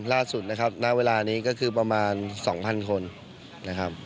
ล่าสุดนะครับณเวลานี้ก็คือประมาณ๒๐๐คนนะครับ